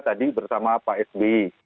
tadi bersama pak sbi